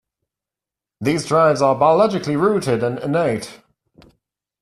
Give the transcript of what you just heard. These drives are biologically rooted and innate.